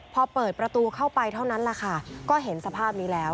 พอเปิดประตูเข้าไปเท่านั้นแหละค่ะก็เห็นสภาพนี้แล้ว